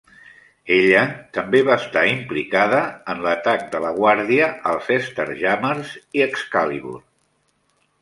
Ella també va estar implicada en l'atac de la Guàrdia als Starjammers i Excalibur.